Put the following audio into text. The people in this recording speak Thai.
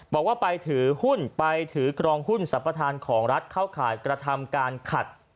บอกว่าไปถือหุ้นไปถือครองหุ้นสัมปทานของรัฐเข้าข่ายกระทำการขัด